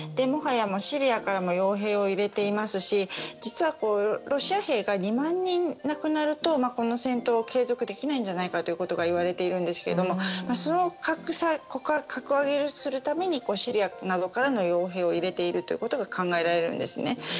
もはやシリアからも傭兵を入れていますし実はロシア兵が２万人亡くなるとこの戦闘を継続できないんじゃないかと言われているんですけど格上げするためにシリアなどからの傭兵を入れているということが考えられるんですね。